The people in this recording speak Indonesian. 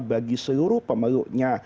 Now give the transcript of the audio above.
bagi seluruh pemeluknya